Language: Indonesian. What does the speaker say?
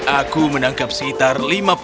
aku menangkap sekitar lima puluh